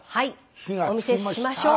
お見せしましょう。